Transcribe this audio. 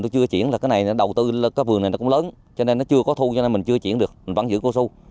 cái này đầu tư cái vườn này nó cũng lớn cho nên nó chưa có thu cho nên mình chưa chuyển được mình vẫn giữ cao su